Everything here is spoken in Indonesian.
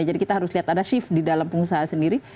jadi kita harus lihat ada shift di dalam pengusaha sendiri